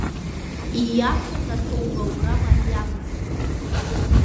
Ииашаны аҭоуба аура мариамызт.